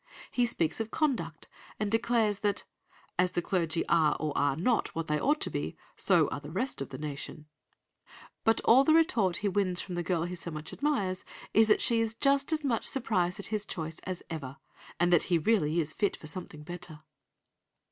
He speaks of conduct, and declares that "as the clergy are or are not what they ought to be, so are the rest of the nation," but all the retort he wins from the girl he so much admires is that she is just as much surprised at his choice as ever, and that he really is fit for something better!